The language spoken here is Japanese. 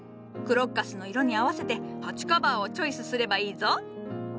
クロッカスの色に合わせて鉢カバーをチョイスすればいいぞ。